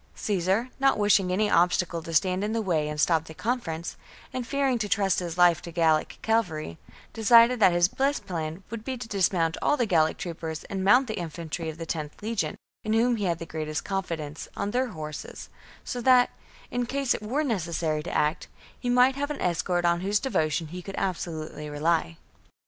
Caesar, not wishing any obstacle to stand in the way and stop the conference, and fearing to trust his life to Gallic cavalry, decided that his best plan would be to dismount all the Gallic troopers and mount the infantry of the 1 0th legion, in whom he had the greatest con fidence, on their horses, so that, in case it were necessary to act, he might have an escort on whose devotion he could absolutely rely.